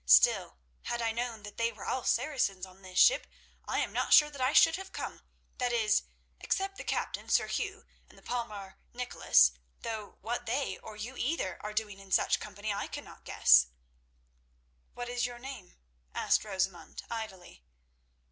Still, had I known that they were all Saracens on this ship, I am not sure that I should have come—that is, except the captain, Sir Hugh, and the palmer Nicholas; though what they, or you either, are doing in such company I cannot guess." "What is your name?" asked Rosamund idly.